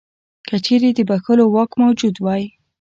که چیرې د بخښلو واک موجود وای.